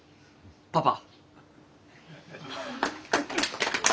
パパ。